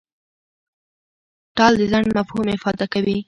ټال د ځنډ مفهوم افاده کوي.